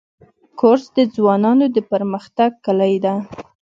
کورس د ځوانانو د پرمختګ کلۍ ده.